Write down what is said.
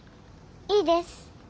いいです。